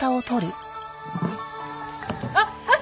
あっあっ！